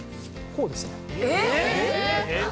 こうです。